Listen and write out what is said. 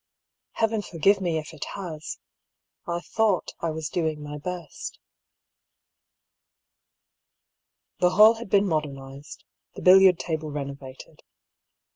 Heaven forgive me if it has! I thought I was doing my best. The hall had been modernised, the billiard table renovated.